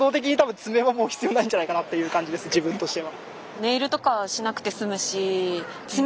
自分としては。